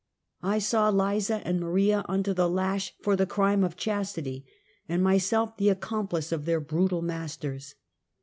I sav/ Liza and Maria under the lash for the crime of chastity, and myself the accom plice of their brutal masters.